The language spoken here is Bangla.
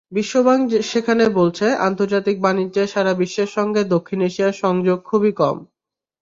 বিশ্বব্যাংক সেখানে বলছে, আন্তর্জাতিক বাণিজ্যে সারা বিশ্বের সঙ্গে দক্ষিণ এশিয়ার সংযোগ খুবই কম।